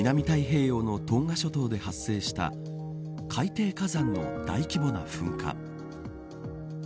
太平洋のトンガ諸島で発生した海底火山の大規模な噴火。